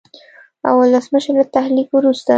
او ولسمشر له تحلیف وروسته